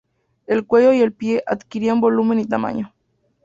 El cuello y el pie adquirían volumen y tamaño.